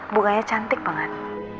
bunganya cantik banget